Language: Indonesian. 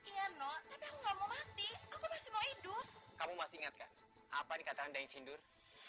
iya no tapi aku nggak mau mati aku masih mau hidup kamu masih ingatkan apa nih kata anda yang sindur